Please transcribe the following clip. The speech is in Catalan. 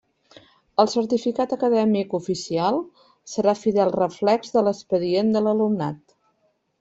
El certificat acadèmic oficial serà fidel reflex de l'expedient de l'alumnat.